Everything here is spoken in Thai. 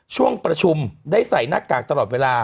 ช่วงประชุมได้ใส่หน้ากากตลอดเวลา